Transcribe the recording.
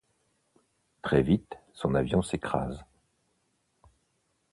Très vite, son avion s’écrase.